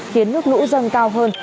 khiến nước lũ dân cao hơn